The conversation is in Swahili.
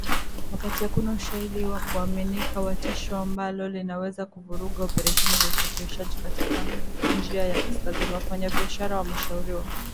Wakati hakuna ushahidi wa kuaminika wa tishio ambalo linaweza kuvuruga operesheni za usafirishaji katika njia ya kaskazini , wafanyabiashara wameshauriwa.